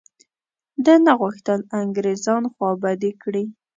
ده نه غوښتل انګرېزان خوابدي کړي.